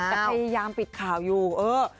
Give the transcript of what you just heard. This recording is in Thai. แต่พยายามปิดข่าวอยู่เออ